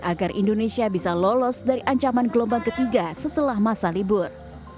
agar indonesia bisa lolos dari ancaman gelombang ketiga setelah masa libur